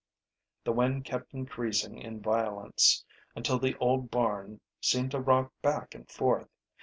The wind kept increasing in violence, until the old barn seemed to rock back and forth.